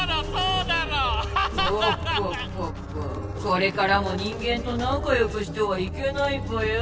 これからも人間となかよくしてはいけないぽよ。